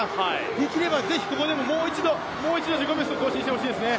できればぜひもう一度自己ベスト、更新してほしいですね。